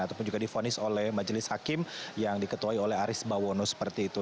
ataupun juga difonis oleh majelis hakim yang diketuai oleh aris bawono seperti itu